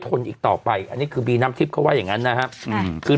ทนอีกต่อไปอันนี้คือบีนำทิศเข้าไว้อย่างนั้นนะฮะช่วย